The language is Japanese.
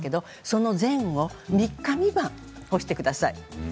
その前後３日３晩干してください。